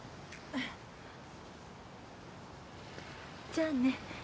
じゃあね。